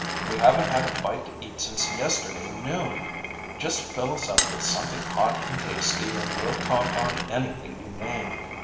"We haven't had a bite to eat since yesterday noon. Just fill us up with something hot and tasty and we'll talk on anything you name.